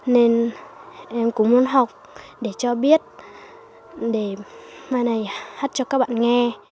nên em cũng muốn học để cho biết để mai này hắt cho các bạn nghe